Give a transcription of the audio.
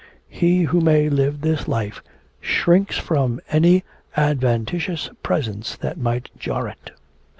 He who may live this life shrinks from any adventitious presence that might jar it.'